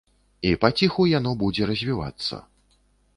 І паціху яно будзе развівацца.